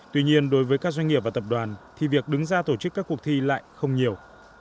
tuy nhiên đối với các doanh nghiệp và tập đoàn thì việc đứng ra tổ chức các cuộc thi lại không nhiều